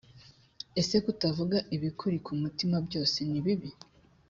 ese kutavuga ibikuri ku mutima byose ni bibi?